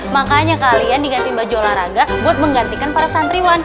makanya kalian diganti baju olahraga buat menggantikan para santriwan